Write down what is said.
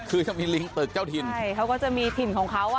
คือจะมีลิงตึกเจ้าถิ่นใช่เขาก็จะมีถิ่นของเขาอ่ะ